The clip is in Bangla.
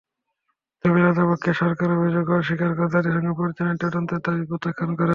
তবে রাজাপক্ষে সরকার অভিযোগ অস্বীকার করে জাতিসংঘের পরিচালনায় তদন্তের দাবি প্রত্যাখ্যান করে।